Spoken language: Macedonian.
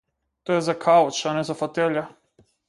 Тој е за кауч, а не за фотеља.